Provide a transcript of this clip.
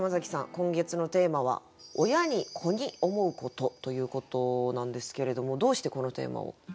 今月のテーマは「親に、子に思うこと」ということなんですけれどもどうしてこのテーマを？